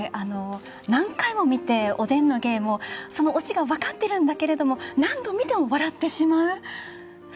何回も見て、おでんの芸もそのオチが分かっているんだけど何度見ても笑ってしまう。